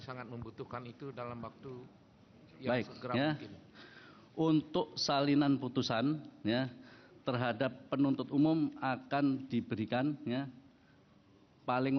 yaitu berupa upaya hukum banding